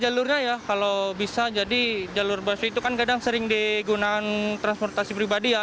jalurnya ya kalau bisa jadi jalur busway itu kan kadang sering digunakan transportasi pribadi ya